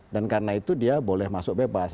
dan karena itu dia boleh masuk bebas